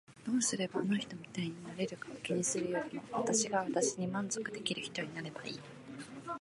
どうすればあの人みたいになれるか気にするよりも私が私に満足できる人になればいい。